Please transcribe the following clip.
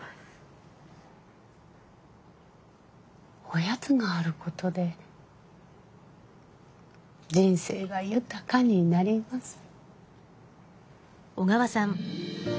おやつがあることで人生が豊かになります。